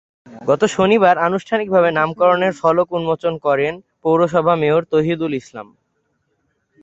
গত শনিবার আনুষ্ঠানিকভাবে নামকরণের ফলক উন্মোচন করেন পৌরসভার মেয়র তৌহিদুল ইসলাম।